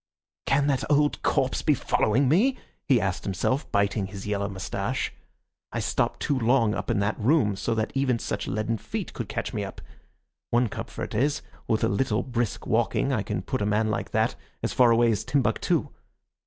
"Can that old corpse be following me?" he asked himself, biting his yellow moustache. "I stopped too long up in that room, so that even such leaden feet could catch me up. One comfort is, with a little brisk walking I can put a man like that as far away as Timbuctoo.